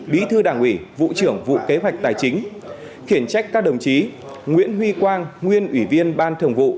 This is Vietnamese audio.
bí thư đảng ủy vụ trưởng vụ kế hoạch tài chính khiển trách các đồng chí nguyễn huy quang nguyên ủy viên ban thường vụ